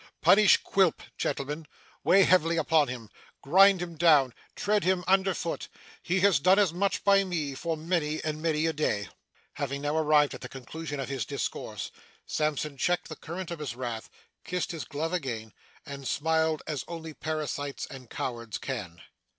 Punish Quilp, gentlemen. Weigh heavily upon him. Grind him down. Tread him under foot. He has done as much by me, for many and many a day.' Having now arrived at the conclusion of his discourse, Sampson checked the current of his wrath, kissed his glove again, and smiled as only parasites and cowards can.